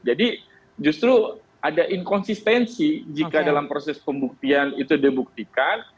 jadi justru ada inkonsistensi jika dalam proses pembuktian itu dibuktikan